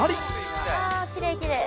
きれいきれい！